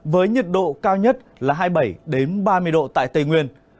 với nhiệt độ cao nhất là hai mươi bảy ba mươi độ tại tây nguyên